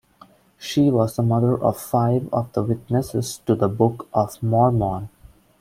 She was the mother of five of the Witnesses to the Book of Mormon.